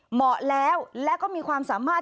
เหมาะแล้วและก็มีความสามารถ